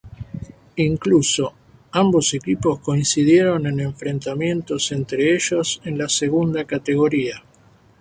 Incluso, ambos equipos coincidieron en enfrentamientos entre ellos en la segunda categoría.